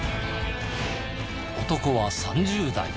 男は３０代。